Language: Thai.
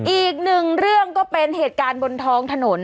อีกหนึ่งเรื่องก็เป็นเหตุการณ์บนท้องถนน